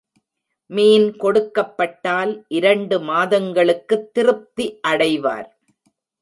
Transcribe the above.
மீன் கொடுக்கப்பட்டால் இரண்டு மாதங்களுக்குத் திருப்தி அடைவர்.